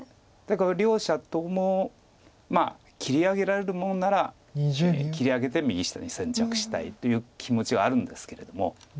だから両者とも切り上げられるもんなら切り上げて右下に先着したいという気持ちはあるんですけれども。